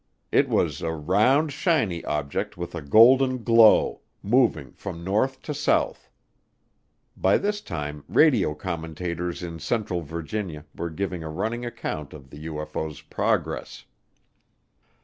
It was a "round, shiny object with a golden glow" moving from north to south. By this time radio commentators in central Virginia were giving a running account of the UFO's progress.